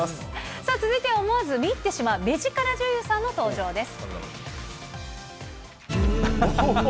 さあ、続いては思わず見入ってしまう目力女優さんの登場です。